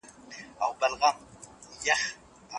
څرنګه چې قانون ومنل شي، بې نظمي به پیدا نه شي.